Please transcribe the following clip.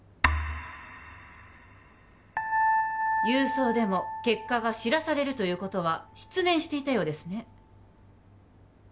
郵送でも結果が知らされるということは失念していたようですね